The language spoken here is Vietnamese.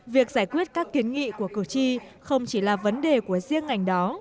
việc giải quyết các kiến nghị của cử tri không chỉ là vấn đề của riêng ngành đó